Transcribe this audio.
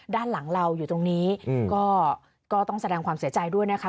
ด้านหลังเราอยู่ตรงนี้ก็ต้องแสดงความเสียใจด้วยนะคะ